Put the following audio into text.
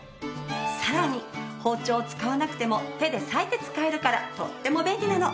さらに包丁を使わなくても手で裂いて使えるからとっても便利なの。